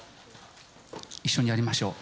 一緒にやりましょう。